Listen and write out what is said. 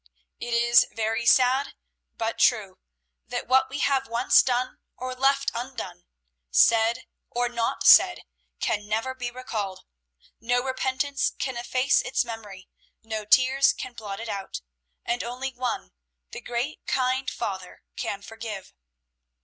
It is very sad but true, that what we have once done, or left undone, said, or not said, can never be recalled. No repentance can efface its memory; no tears can blot it out; and only one, the great, kind Father, can forgive.